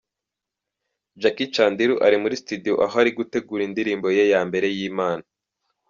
Jackie Chandiru ari muri studio aho ari gutegura indirimbo ye ya mbere y’Imana.